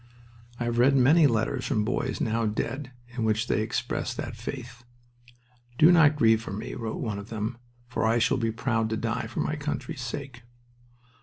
I have read many letters from boys now dead in which they express that faith. "Do not grieve for me," wrote one of them, "for I shall be proud to die for my country's sake."